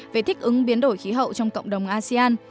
về thích ứng biến đổi khí hậu trong cộng đồng asean